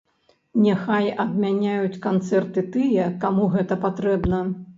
Няхай адмяняюць канцэрты тыя, каму гэта патрэбна.